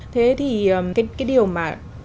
thế thì cái điều mà